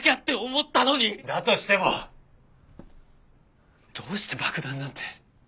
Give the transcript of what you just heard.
だとしてもどうして爆弾なんて。